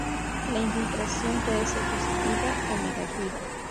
La infiltración puede ser positiva o negativa.